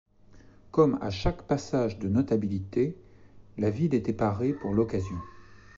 Comme à chaque passage de notabilité, la ville était parée pour l'occasion.